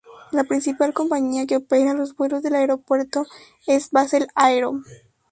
La principal compañía que opera los vuelos del aeropuerto es Basel Aero.